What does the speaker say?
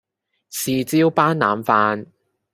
豉椒斑腩飯